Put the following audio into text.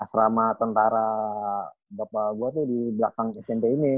asrama tentara bapak gue tuh di belakang smp ini